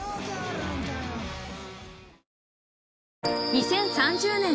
［２０３０年